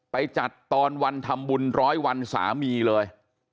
ไปจัดตอนวันทำบุญร้อยวันสามีเลย